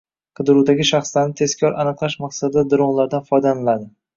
Qidiruvdagi shaxslarni tezkor aniqlash maqsadida dronlardan foydalaniladi